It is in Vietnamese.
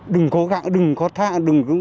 đừng cố gắng đừng có thất